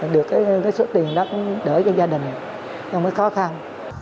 được cái số tiền đó cũng đỡ cho gia đình không có khó khăn